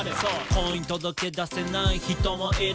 「婚姻届出せない人もいる」